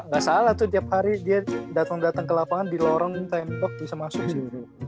gak salah tuh tiap hari dia dateng dateng ke lapangan di lorong tembok bisa masuk sih uri